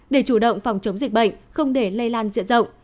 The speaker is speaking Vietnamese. để chủ động phòng chống dịch bệnh không để lây lan diện rộng